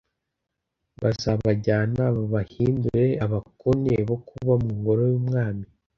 bazabajyana babahindure abakone bo kuba mu ngoro y’umwami